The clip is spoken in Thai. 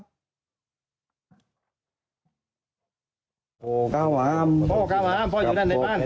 พ้อค้าวห้ามพ่ออยู่แหว่นในบ้าน